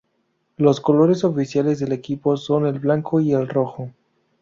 Los colores oficiales del equipo son el blanco y el rojo.